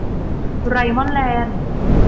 ไรมอน แลนด์